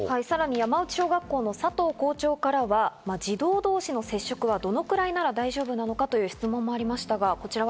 山内小学校の佐藤校長からは、児童同士の接触はどのくらいなら大丈夫なのかという質問もありました。